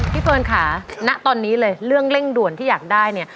เฟิร์นค่ะณตอนนี้เลยเรื่องเร่งด่วนที่อยากได้เนี่ย